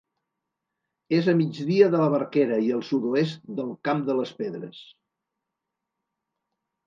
És a migdia de la Barquera i al sud-oest del Camp de les Pedres.